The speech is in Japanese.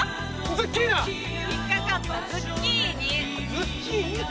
ズッキーニか。